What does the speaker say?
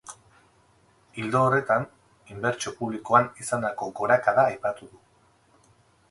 Ildo horretan, inbertsio publikoan izandako gorakada aipatu du.